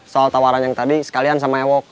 soal tawaran yang tadi sekalian sama ewok